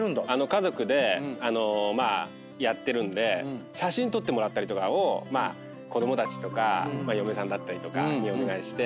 家族でやってるんで写真撮ってもらったりとかを子供たちとか嫁さんとかにお願いして。